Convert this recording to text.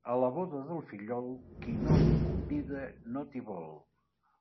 A la boda del fillol, qui no t'hi convida no t'hi vol.